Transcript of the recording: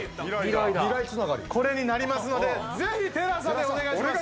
これになりますのでぜひテラサでお願いします！